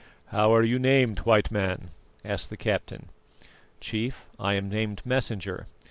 "How are you named, White Man?" asked the captain. "Chief, I am named Messenger."